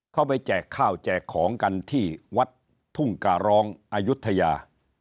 เขาไปแจกข้าวแจกของกันที่วัดทุ่งการร้องอายุทยา